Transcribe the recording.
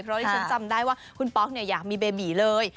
เพราะที่ฉันจำได้ว่าคุณป๊อกเนี่ยอยากมีเบบีเลย